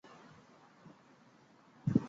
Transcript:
县治奥斯威戈和普瓦斯基。